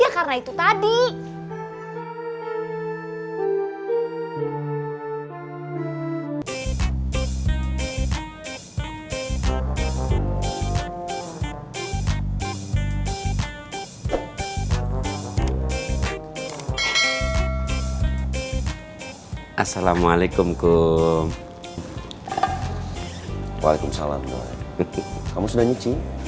kamu sudah nyuci